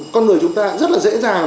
con người chúng ta rất là dễ dàng